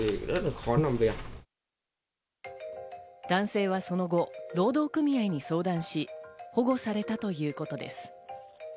男性はその後、労働組合に相談し保護されたということです。